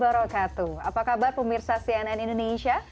apa kabar pemirsa cnn indonesia